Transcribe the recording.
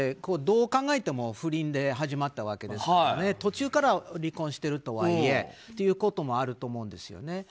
どう考えても不倫で始まったわけで途中から離婚してるとはいえ。ということもあると思うんです。